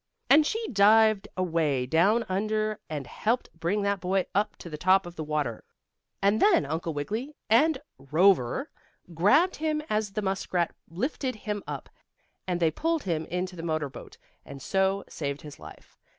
And she dived away down under and helped bring that boy up to the top of the water, and then Uncle Wiggily and Cover grabbed him as the muskrat lifted him up, and they pulled him into the motor boat, and so saved his life.